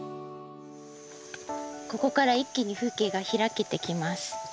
ここから一気に風景が開けてきます。